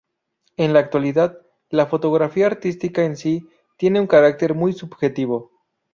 En la actualidad, la fotografía artística en sí, tiene un carácter muy subjetivo.